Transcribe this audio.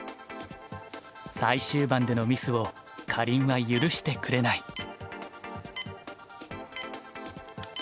最終盤でのミスをかりんは許してくれない。